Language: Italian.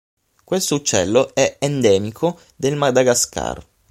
Questo uccello è endemico del Madagascar.